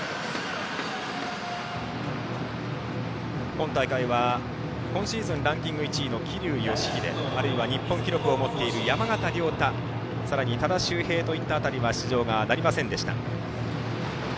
今大会は今シーズンランキング１位の桐生祥秀あるいは日本記録を持っている山縣亮太さらに多田修平といった辺りは出場がなりませんでした。